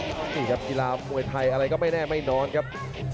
สิเหยื่อสีครับกีฬามงวยไทยอะไรก็ไม่แนนไม่นอนครับ